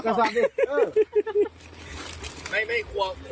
ตัวเอาหางมาเถอะ